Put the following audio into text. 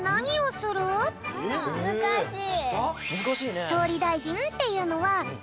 むずかしいね。